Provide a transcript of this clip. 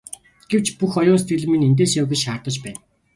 Гэвч бүх оюун сэтгэл минь эндээс яв гэж шаардаж байна.